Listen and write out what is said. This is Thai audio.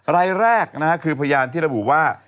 รายแรกคือพยานที่ระบุว่า